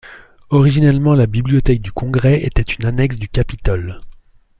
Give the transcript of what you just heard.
Originellement la bibliothèque du Congrès était une annexe du Capitole.